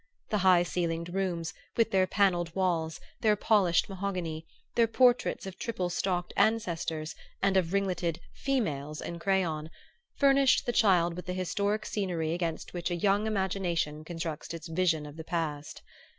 The high ceilinged rooms, with their panelled walls, their polished mahogany, their portraits of triple stocked ancestors and of ringleted "females" in crayon, furnished the child with the historic scenery against which a young imagination constructs its vision of the past.